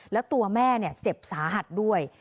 แล้วตัวแม่เจ็บสาหัสด้วย